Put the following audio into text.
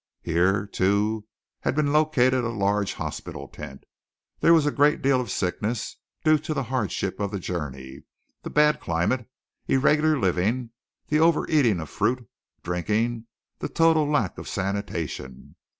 Here too had been located a large hospital tent. There was a great deal of sickness, due to the hardships of the journey, the bad climate, irregular living, the overeating of fruit, drinking, the total lack of sanitation.